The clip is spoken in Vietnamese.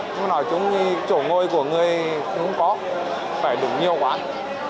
nhưng mà nói chung chỗ ngồi của người cũng có phải đủ nhiều quán